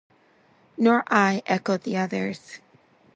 "Nor I," echoed the others.